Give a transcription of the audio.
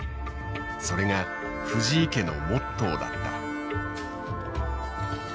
それが藤井家のモットーだった。